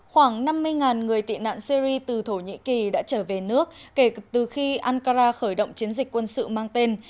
khoảng năm mươi người tị nạn syri từ thổ nhĩ kỳ đã trở về nước kể từ khi ankara khởi động chiến dịch quân sự mang tên